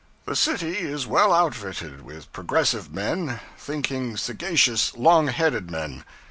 The city is well outfitted with progressive men thinking, sagacious, long headed men.